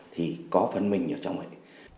thì có phấn minh ở trong ấy